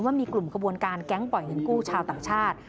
ว่ามีกลุ่มขบวนการแก๊งปล่อยเงินกู้ชาวต่างชาติ